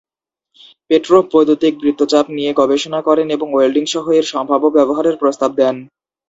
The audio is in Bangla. পেট্রোভ বৈদ্যুতিক বৃত্তচাপ নিয়ে গবেষণা করেন এবং ওয়েল্ডিংসহ এর সম্ভাব্য ব্যবহারের প্রস্তাব দেন।